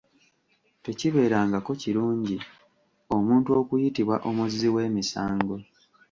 Tekibeerangako kirungi omuntu okuyitibwa omuzzi wemisango.